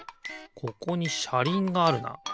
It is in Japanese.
ここにしゃりんがあるな。